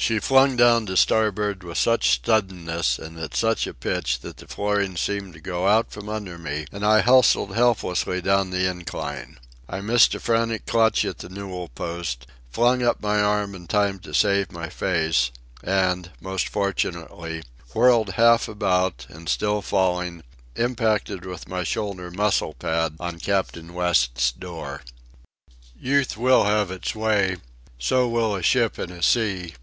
She flung down to starboard with such suddenness and at such a pitch that the flooring seemed to go out from under me and I hustled helplessly down the incline. I missed a frantic clutch at the newel post, flung up my arm in time to save my face, and, most fortunately, whirled half about, and, still falling, impacted with my shoulder muscle pad on Captain West's door. Youth will have its way. So will a ship in a sea.